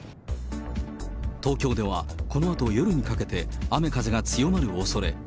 東京ではこのあと夜にかけて、雨風が強まるおそれ。